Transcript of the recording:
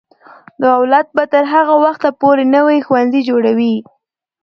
دولت به تر هغه وخته پورې نوي ښوونځي جوړوي.